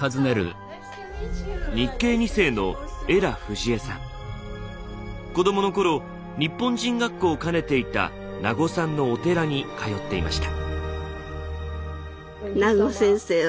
日系２世の子供の頃日本人学校を兼ねていた名護さんのお寺に通っていました。